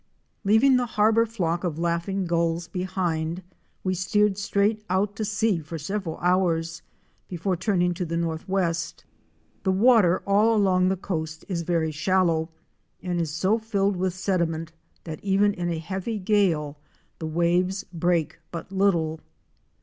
Leaving the harbor flock * behind, we steered straight out to sea fo) of Laughing Gulls for several hours before turning to the northwest. The water all along the coast is very shallow and is so filled with sediment that even in a heavy gale the waves break but little.